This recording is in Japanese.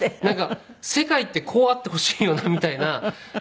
なんか世界ってこうあってほしいよなみたいな。